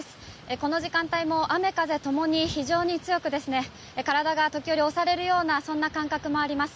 この時間帯も雨風共に非常に強く体が時折、押されるようなそんな感覚もあります。